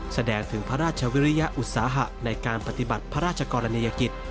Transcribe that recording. แสดงถึงพระราชวิริยอุตสาหะในการปฏิบัติพระราชกรณียกิจ